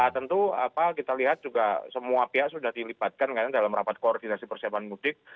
tentu kita lihat juga semua pihak sudah dilibatkan dalam rapat koordinasi persiapan mudik